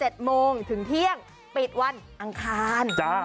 ให้ลงเลขคีย์อีกแล้ว